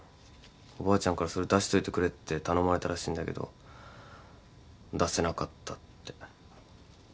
おばあちゃんからそれ出しといてくれって頼まれたらしいんだけど出せなかったって。